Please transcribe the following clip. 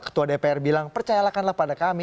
ketua dpr bilang percayalahkanlah pada kami